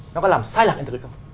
nó có làm sai lạc hiện thực hay không